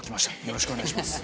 よろしくお願いします。